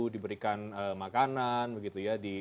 diberikan makanan begitu ya